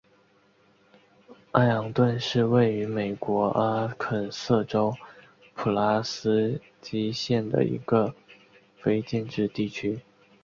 艾昂顿是位于美国阿肯色州普拉斯基县的一个非建制地区。